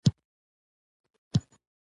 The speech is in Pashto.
د ماشوم د ګیډې درد لپاره د بادیان اوبه ورکړئ